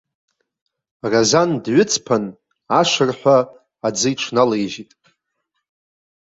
Разан дҩыҵԥан, ашырҳәа аӡы иҽналаижьит.